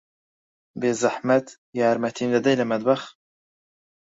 بێزەحمەت، یارمەتیم دەدەیت لە مەتبەخ؟